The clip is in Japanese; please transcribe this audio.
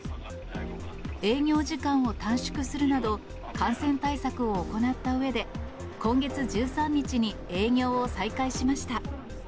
営業時間を短縮するなど、感染対策を行ったうえで、今月１３日に、営業を再開しました。